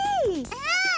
うん！